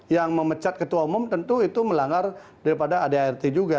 yang memecat ketua umum tentu itu melanggar daripada adart juga